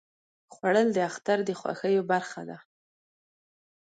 خوړل د اختر د خوښیو برخه ده